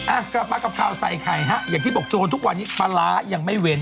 อ่ะกลับมากับข่าวใส่ไข่ฮะอย่างที่บอกโจรทุกวันนี้ปลาร้ายังไม่เว้น